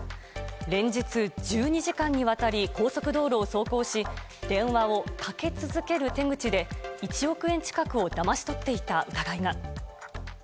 連日１２時間にわたり高速道路を走行し電話をかけ続ける手口で１億円近くをだまし取っていた疑いが。